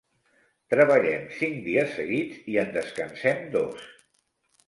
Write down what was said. Treballem cinc dies seguits i en descansem dos.